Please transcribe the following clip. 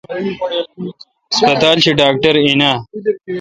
ہسپتال شی ڈاکٹر این آ?